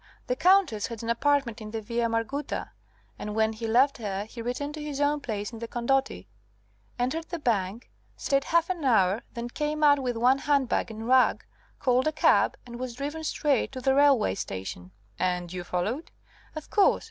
The Countess had an apartment in the Via Margutta, and when he left her he returned to his own place in the Condotti, entered the bank, stayed half an hour, then came out with one hand bag and rug, called a cab, and was driven straight to the railway station." "And you followed?" "Of course.